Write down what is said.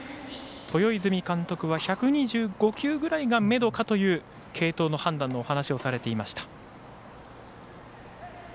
豊泉監督は１２５球ぐらいがめどかという継投の判断のお話をされていました。